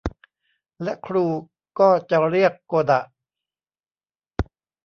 และครูก็จะเรียกโกดะ